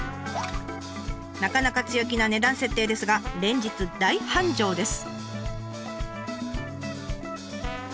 なかなか強気な値段設定ですが連日大繁盛です。